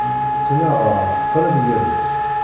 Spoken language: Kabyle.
Ttnaɣeɣ qrib yal ass.